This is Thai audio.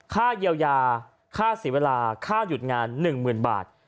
ค่าเยียวยาค่าเสียเวลาค่าหยุดงาน๑๐๐๐บาท